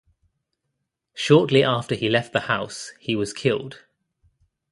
Shortly after he left the house, he was killed.